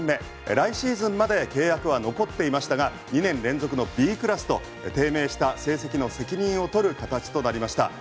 来シーズンまで契約は残っていましたが２年連続のＢクラスと低迷した成績の責任を取る形となりました。